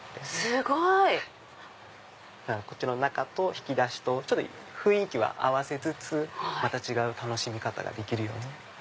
すごい！中と引き出しと雰囲気は合わせつつまた違う楽しみ方ができるように。